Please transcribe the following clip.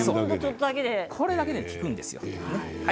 これだけ出てくるんですよ。